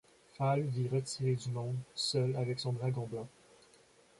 Fall vit retiré du monde, seul avec son dragon blanc.